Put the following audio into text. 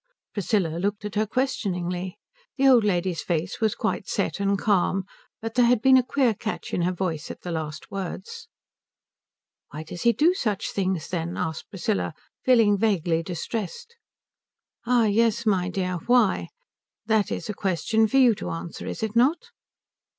Priscilla looked at her questioningly. The old lady's face was quite set and calm, but there had been a queer catch in her voice at the last words. "Why does he do such things, then?" asked Priscilla, feeling vaguely distressed. "Ah yes, my dear why? That is a question for you to answer, is it not?"